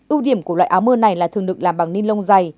ưu điểm của loại áo mưa này là thường được làm bằng ni lông dày